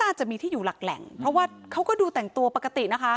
อาจจะมีที่อยู่หลักแหล่งเพราะว่าเขาก็ดูแต่งตัวปกตินะคะ